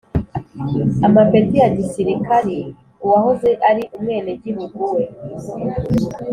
amapeti ya gisirikari uwahoze ari umwenegihugu we,